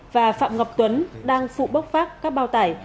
và phạm ngọc tuấn đang phụ bốc vác các bao tải